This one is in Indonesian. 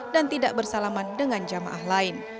dan tidak bersalaman dengan jamaah lain